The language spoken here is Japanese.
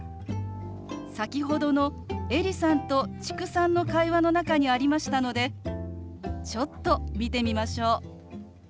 先ほどのエリさんと知久さんの会話の中にありましたのでちょっと見てみましょう。